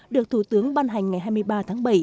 được thủ tướng ban hành ngày hai mươi ba tháng bảy